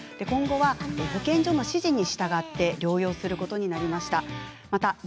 今後は保健所の指示に従って療養することになりました。